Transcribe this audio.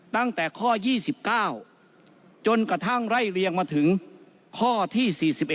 ตั้งแต่ข้อ๒๙จนกระทั่งไล่เรียงมาถึงข้อที่๔๑